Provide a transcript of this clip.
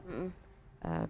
kami sudah menangani